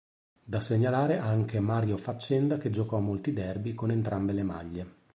Da segnalare anche Mario Faccenda che giocò molti derby con entrambe le maglie.